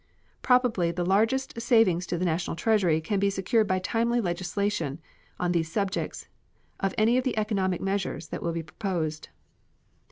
Probably the largest saving to the National Treasury can be secured by timely legislation on these subjects of any of the economic measures that will be proposed.